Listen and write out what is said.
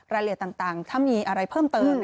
รายละเอียดต่างถ้ามีอะไรเพิ่มเติม